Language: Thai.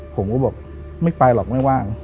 ผมก็บอกไม่ไปหรอกไม่ว่าง